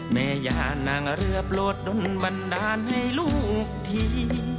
แม่ยานางเรือโปรดดนบันดาลให้ลูกที